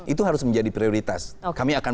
itu harus menjadi prioritas kami akan